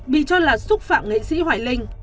bị cho là xúc phạm nghệ sĩ hoài linh